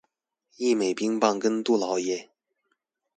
義美冰棒跟杜老爺